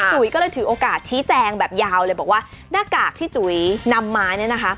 จุ๋ยก็เลยถือโอกาสชี้แจงแบบยาวเลยบอกว่าหน้ากากที่จุ๋ยนำมาเนี่ยนะคะ